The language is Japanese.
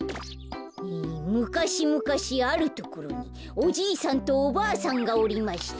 「むかしむかしあるところにおじいさんとおばあさんがおりました。